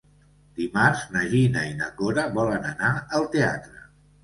Dimarts na Gina i na Cora volen anar al teatre.